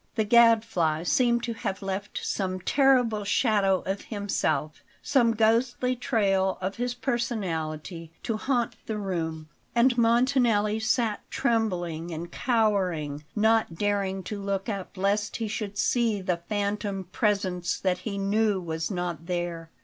The Gadfly seemed to have left some terrible shadow of himself, some ghostly trail of his personality, to haunt the room; and Montanelli sat trembling and cowering, not daring to look up lest he should see the phantom presence that he knew was not there.